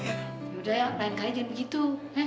yaudah ya lain kali jangan begitu